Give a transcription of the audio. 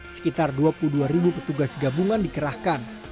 sekitar dua puluh dua ribu petugas gabungan dikerahkan